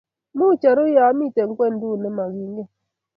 Muuch aru yamiten kwendu nemagingen